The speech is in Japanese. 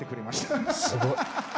「すごい！」